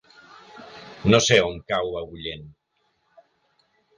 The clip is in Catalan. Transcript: No sé on cau Agullent.